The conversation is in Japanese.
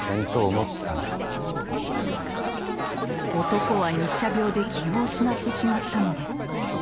男は日射病で気を失ってしまったのです。